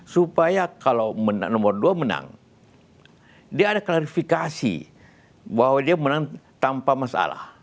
supaya kalau nomor dua menang dia ada klarifikasi bahwa dia menang tanpa masalah